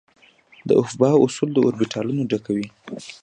د افباؤ اصول اوربیتالونه ډکوي.